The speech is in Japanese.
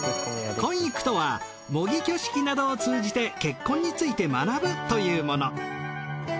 婚育とは模擬挙式などを通じて結婚について学ぶというもの。